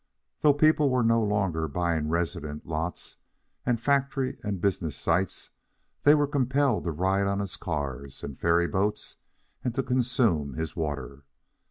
Though people were no longer buying residence lots and factory and business sites, they were compelled to ride on his cars and ferry boats and to consume his water.